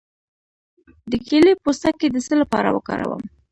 د کیلې پوستکی د څه لپاره وکاروم؟